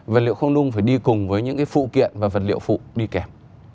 vật liệu không nung phải đi cùng với những cái phụ kiện và vật liệu phụ đi kèm